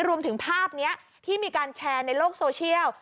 รวมถึงภาพนี้ที่มีการแชร์ในโลกโซเชียล